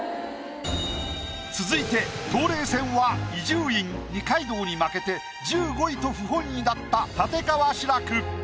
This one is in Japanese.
続いて冬麗戦は伊集院二階堂に負けて１５位と不本意だった立川志らく。